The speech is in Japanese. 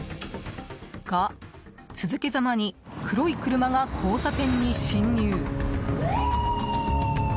が、続けざまに黒い車が交差点に進入。